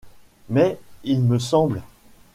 Mais, il me semble. ..